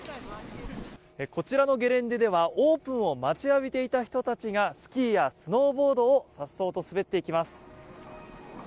こちらのゲレンデではオープンを待ちわびていた人たちがスキーやスノーボードをさっそうと滑っていきます。